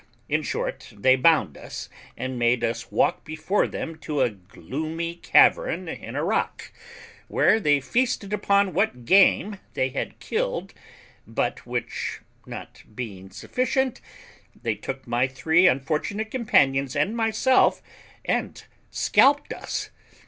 In short, they bound us, and made us walk before them to a gloomy cavern in a rock, where they feasted upon what game they had killed, but which not being sufficient, they took my three unfortunate companions and myself, and scalped us.